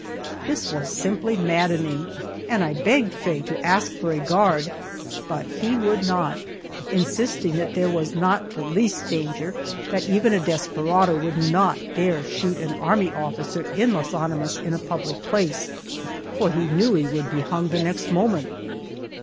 This was simply maddening, and I begged Faye to ask for a guard, but he would not, insisting that there was not the least danger, that even a desperado would not dare shoot an army officer in Las Animas in a public place, for he knew he would be hung the next moment.